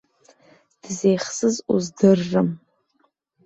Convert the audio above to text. Дзеихсыз уздыррым!